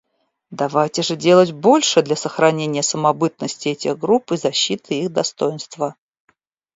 Давайте же делать больше для сохранения самобытности этих групп и защиты их достоинства.